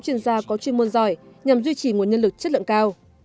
chúng ta có chuyên môn giỏi nhằm duy trì một nhân lực chất lượng cao